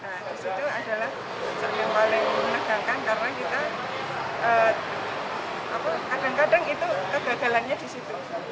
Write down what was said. nah disitu adalah yang paling menegangkan karena kita kadang kadang itu kegagalannya disitu